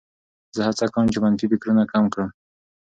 زه هڅه کوم چې منفي فکرونه کم کړم.